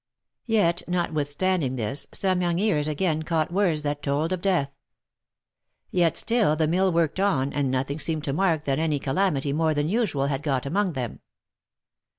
Yet, notwithstanding this, some young ears again caught words that told of death. Yet still the mill worked on, and nothing seemed to mark that any calamity more than usual had got among them.